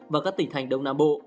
và các tỉnh thành đông nam bộ